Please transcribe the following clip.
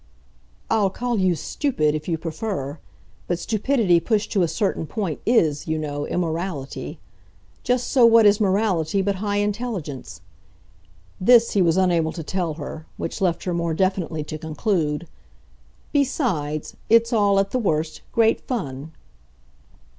"I'll call you stupid if you prefer. But stupidity pushed to a certain point IS, you know, immorality. Just so what is morality but high intelligence?" This he was unable to tell her; which left her more definitely to conclude. "Besides, it's all, at the worst, great fun."